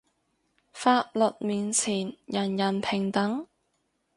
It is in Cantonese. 法律面前人人平等